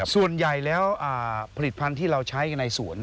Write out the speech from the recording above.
ส่วนใหญ่แล้วผลิตภัณฑ์ที่เราใช้กันในสวน